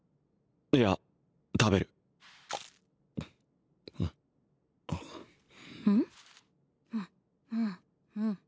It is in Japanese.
いや食べるうん？